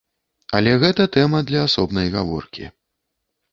Але гэта тэма для асобнай гаворкі.